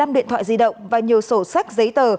một mươi năm điện thoại di động và nhiều sổ sách giấy tờ